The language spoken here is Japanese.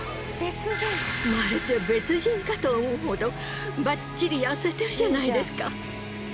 まるで別人かと思うほどばっちり痩せてるじゃないですか。